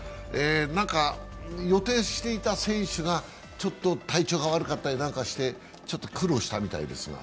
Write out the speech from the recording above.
なんか予定していた選手がちょっと体調が悪かったり何なりして、苦労したみたいです。